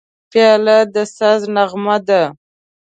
پیاله د ساز نغمه ده.